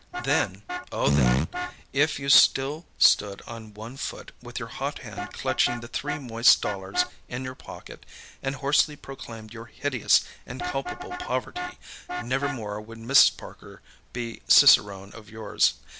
Then—oh, then—if you still stood on one foot, with your hot hand clutching the three moist dollars in your pocket, and hoarsely proclaimed your hideous and culpable poverty, nevermore would Mrs. Parker be cicerone of yours.